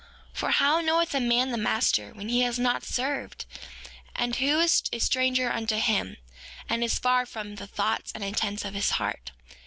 5:13 For how knoweth a man the master whom he has not served, and who is a stranger unto him, and is far from the thoughts and intents of his heart?